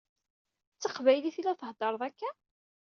D taqbaylit i la theddṛeḍ akka?